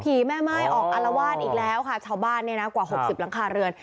แม่ม่ายออกอารวาสอีกแล้วค่ะชาวบ้านเนี่ยนะกว่าหกสิบหลังคาเรือน